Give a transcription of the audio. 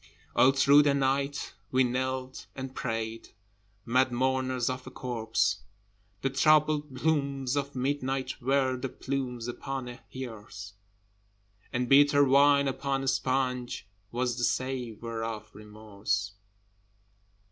All through the night we knelt and prayed, Mad mourners of a corpse! The troubled plumes of midnight were The plumes upon a hearse: And bitter wine upon a sponge Was the savour of Remorse.